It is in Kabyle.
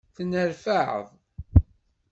Tenneṛfaɛ.